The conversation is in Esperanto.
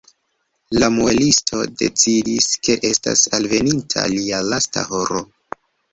La muelisto decidis, ke estas alveninta lia lasta horo.